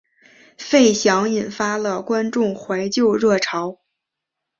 费翔引发了观众怀旧热潮。